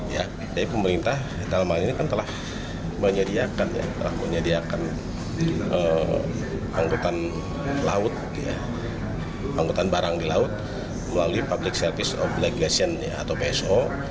jadi pemerintah di dalam hal ini kan telah menyediakan penghutang barang di laut melalui public service obligation atau pso